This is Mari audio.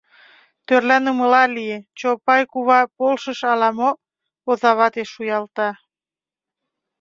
— Тӧрланымыла лие, Чопай кува полшыш ала мо, — озавате шуялта.